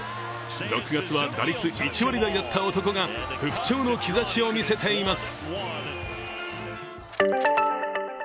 ６月は打率１割台だった男が復調の兆しを見せています。